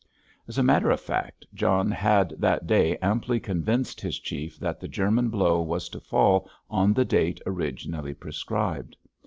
As a matter of fact, John had that day amply convinced his chief that the German blow was to fall on the date originally prescribed.